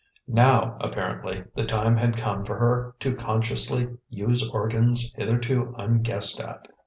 Now, apparently, the time had come for her to consciously use organs hitherto unguessed at.